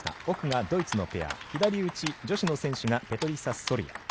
奥がドイツのペア左打ち、女子の選手がペトリサ・ソルヤ。